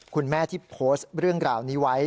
คุณแม่ที่โพสต์เรื่องราวนี้ไว้